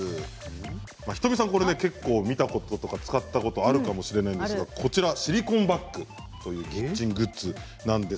仁美さん、結構見たこと、使ったことはあるかもしれないですけどシリコンバッグというキッチングッズです。